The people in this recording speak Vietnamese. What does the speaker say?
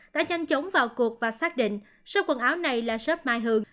đã nhanh chóng vào cuộc và xác định sốc quần áo này là sớp mai hường